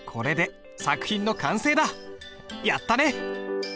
やったね。